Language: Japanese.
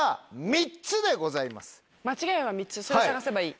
間違いは３つそれを探せばいい？